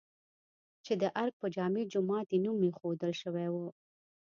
چې د ارګ په جامع جومات یې نوم ايښودل شوی و؟